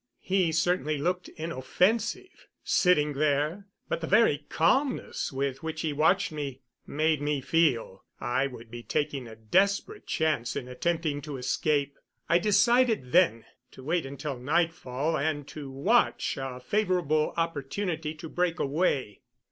He certainly looked inoffensive, sitting there, but the very calmness with which he watched me made me feel I would be taking a desperate chance in attempting to escape. I decided then to wait until nightfall and to watch a favorable opportunity to break away.